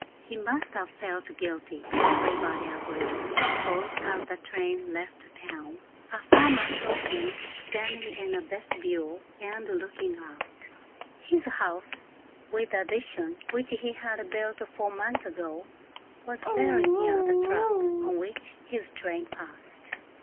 He must have felt guilty, everybody agreed, for as the train left town, a farmer saw him standing in the vestibule and looking out. His house with the addition which he had built four months ago was very near the track on which his train passed.